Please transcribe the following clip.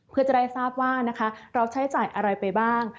เพื่อจะได้ทราบว่านะคะเราใช้จ่ายอะไรไปบ้าง